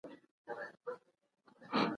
ناامني په ټولنه کې د ژوند هیلې راکموي.